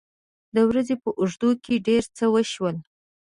د ورځې په اوږدو کې ډېر څه وشول.